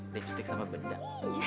lipsik sama bedak